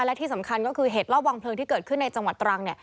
และที่สำคัญก็คือเหตุรอบวางเพลิงที่เกิดขึ้นในจังหวัดตรัง